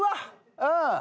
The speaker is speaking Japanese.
うん。